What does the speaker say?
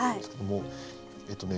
えっとね。